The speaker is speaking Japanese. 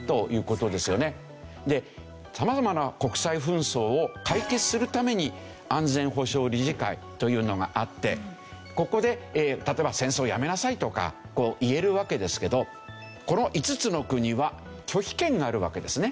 でさまざまな国際紛争を解決するために安全保障理事会というのがあってここで例えば「戦争をやめなさい」とか言えるわけですけどこの５つの国は拒否権があるわけですね。